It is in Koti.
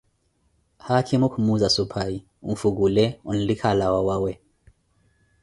Haakhimo kumuunza suphayi, mfukyle, onlike alawe owawe.